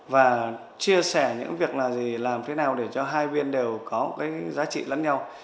và chia sẻ những việc làm thế nào để cho hai viên đều có giá trị lẫn nhau